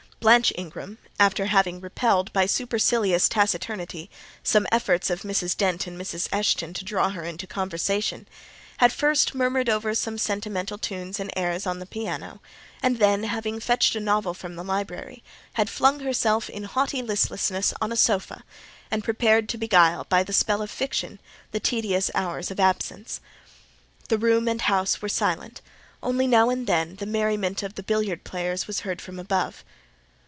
Blanche Ingram, after having repelled, by supercilious taciturnity, some efforts of Mrs. Dent and Mrs. Eshton to draw her into conversation, had first murmured over some sentimental tunes and airs on the piano, and then, having fetched a novel from the library, had flung herself in haughty listlessness on a sofa, and prepared to beguile, by the spell of fiction, the tedious hours of absence. The room and the house were silent: only now and then the merriment of the billiard players was heard from above.